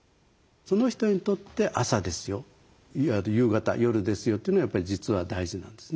その人にとって朝ですよ夕方夜ですよというのがやっぱり実は大事なんですね。